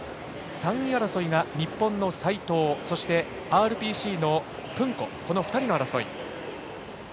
３位争いが日本、齋藤とＲＰＣのプンコこの２人の争い。